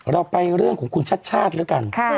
เราไปเรื่องของคุณชัดชาติแล้วกัน